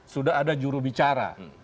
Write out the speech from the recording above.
sudah ada jurubicara